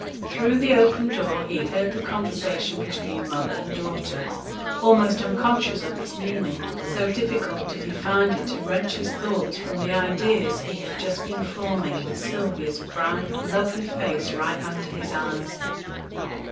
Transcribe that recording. Through the open door he heard the conversation between mother and daughter, almost unconscious of its meaning, so difficult did he find it to wrench his thoughts from the ideas he had just been forming with Sylvia's bright lovely face right under his eyes.